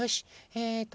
えっと